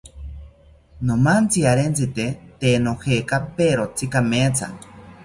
Nomantziarentzite tee nojekaperotzi kametha